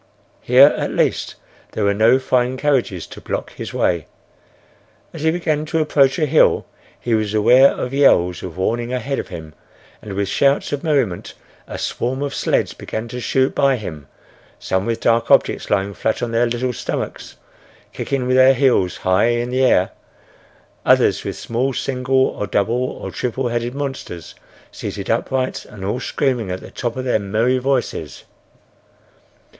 Here, at least, there were no fine carriages to block his way. As he began to approach a hill, he was aware of yells of warning ahead of him, and, with shouts of merriment, a swarm of sleds began to shoot by him, some with dark objects lying flat on their little stomachs, kicking their heels high in the air; others with small single or double or triple headed monsters seated upright and all screaming at the top of their merry voices.